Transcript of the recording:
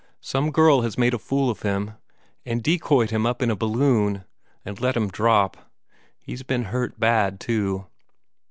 Some girl has made a fool of him, and decoyed him up in a balloon, and let him drop. He's been hurt bad, too."